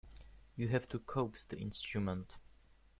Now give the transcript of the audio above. You have to coax the instrument.